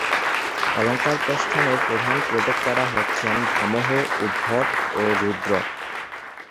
অলঙ্কারপ্রস্থানের প্রধান প্রবক্তারা হচ্ছেন ভামহ, উদ্ভট ও রুদ্রট।